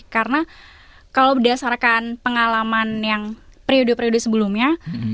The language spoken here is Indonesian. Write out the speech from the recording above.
karena kalau berdasarkan pengalaman yang periode periode sebelumnya